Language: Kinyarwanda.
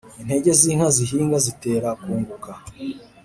intege z’inka zihinga zitera kunguka